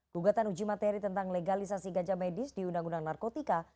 bugatan uji materi tentang legalisasi ganja medis di undang undang narkotika